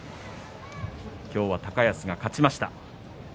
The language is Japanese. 今日は高安が勝ちました。